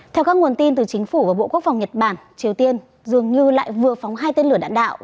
theo các nguồn tin từ chính phủ và bộ quốc phòng nhật bản triều tiên dường như lại vừa phóng hai tên lửa đạn đạo